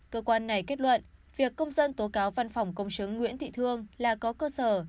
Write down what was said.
cơ quan này kết luận việc công dân tố cáo văn phòng công chứng nguyễn thị thương là có cơ sở